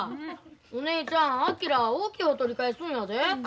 お姉ちゃん昭は大きい方取り返すんやで。